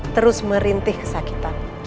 terus merintih kesakitan